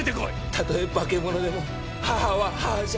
たとえ化け物でも母は母じゃ！